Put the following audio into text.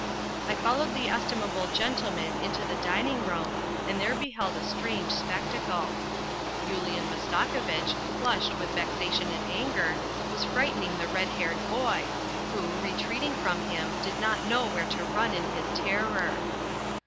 I followed the estimable gentleman into the dining room and there beheld a strange spectacle. Yulian Mastakovitch, flushed with vexation and anger, was frightening the red haired boy, who, retreating from him, did not know where to run in his terror.